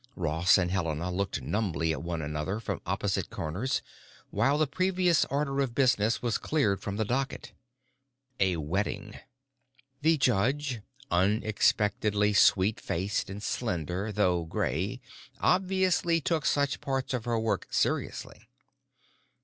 Ross and Helena looked numbly at one another from opposite corners while the previous order of business was cleared from the docket. A wedding. The judge, unexpectedly sweet faced and slender though gray, obviously took such parts of her work seriously.